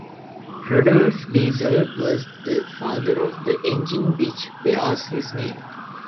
Rudolf Diesel was the father of the engine which bears his name.